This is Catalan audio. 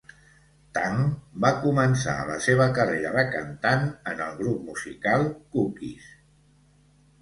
Tang va començar la seva carrera de cantant en el grup musical Cookies.